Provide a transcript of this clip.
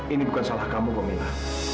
ini bukan salah kamu kok mila